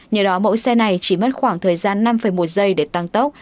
nhờ đó mẫu xe này chỉ mất khoảng thời gian năm một giây để tăng tốc